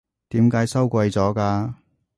點解收貴咗㗎？